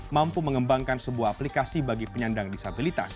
mampu mengembangkan sebuah aplikasi bagi penyandang disabilitas